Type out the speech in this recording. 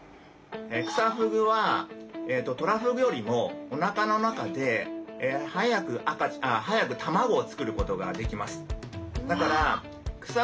クサフグはトラフグよりもおなかの中で早く卵をつくることができます。